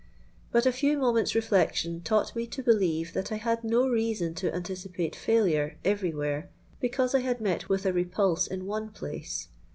But a few moments' reflection taught me to believe that I had no reason to anticipate failure every where, because I had met with a repulse in one place.